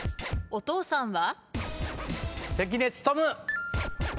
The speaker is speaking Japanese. お父さんは？